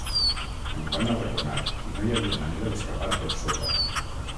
Em van arraconar, i no hi havia manera d'escapar per sota.